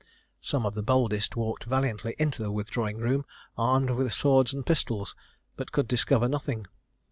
Some of the boldest walked valiantly into the withdrawing room, armed with swords and pistols, but could discover nothing.